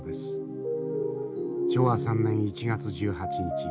昭和３年１月１８日。